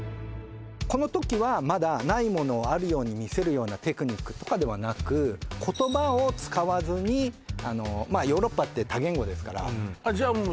この時はまだないものをあるように見せるようなテクニックとかではなく言葉を使わずにヨーロッパって多言語ですからじゃあ